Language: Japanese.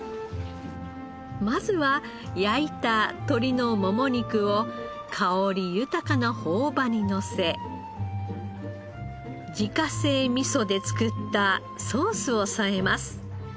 まずは焼いた鶏のもも肉を香り豊かな朴葉にのせ自家製味噌で作ったソースを添えます。